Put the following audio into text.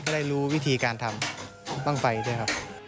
ได้รู้วิธีการทำบ้างไฟด้วยครับ